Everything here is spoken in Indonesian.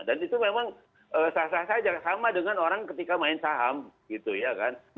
dan itu memang sama dengan orang ketika main saham gitu ya kan